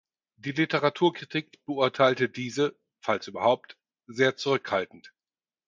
Die Literaturkritik beurteilte diese, falls überhaupt, sehr zurückhaltend.